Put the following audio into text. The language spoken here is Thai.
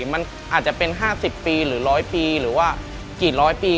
มันอาจจะเป็น๕๐ปีหรือ๑๐๐ปีหรือว่ากี่ร้อยปี